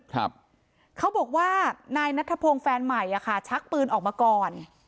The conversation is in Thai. เขาบอกว่านายนัทธพงศ์แฟนใหม่อ่ะค่ะชักปืนออกมาก่อน